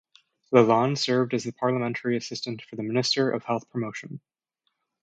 Lalonde served as the Parliamentary Assistant for the Minister of Health Promotion.